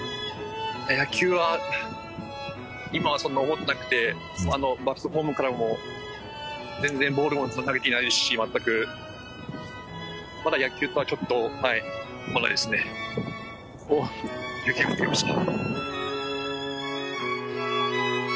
野球は今はそんな思ってなくてあのバックホームからも全然ボールも投げていないですし全くまだ野球とはちょっとはいまだですねおっ雪が降ってきました